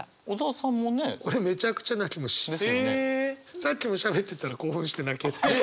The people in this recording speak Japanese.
さっきもしゃべってたら興奮して泣けてきた。